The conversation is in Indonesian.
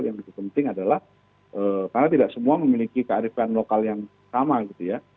yang lebih penting adalah karena tidak semua memiliki kearifan lokal yang sama gitu ya